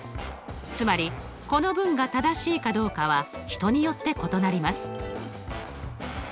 つまりこの文が正しいかどうかは人によって異なります。